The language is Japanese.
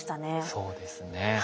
そうですね。